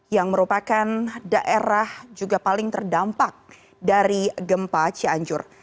yang merupakan daerah juga paling terdampak dari gempa cianjur